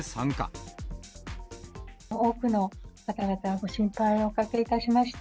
多くの方々にご心配をおかけいたしました。